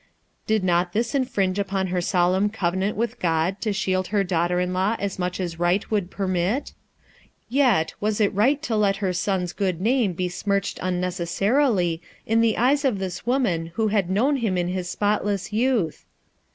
Did not this infringe upon her solemn covenant with God to shield her daughter in law as much as right would ALONE 253 permit? Yet, was it right to let her son's good name be smirched unnecessarily in the e3'es of this woman who had known him in his spotless youth?